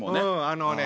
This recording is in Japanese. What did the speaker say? あのね